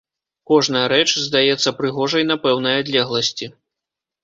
Кожная рэч здаецца прыгожай на пэўнай адлегласці.